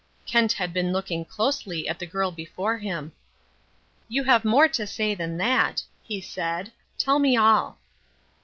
Kent had been looking closely at the girl before him. "You have more to say than that," he said. "Tell me all."